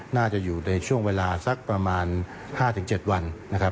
น่าจะอยู่ในช่วงเวลาสักประมาณ๕๗วันนะครับ